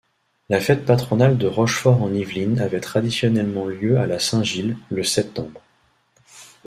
La fête patronale de Rochefort-en-Yvelines avait traditionnellement lieu à la Saint-Gilles, le septembre.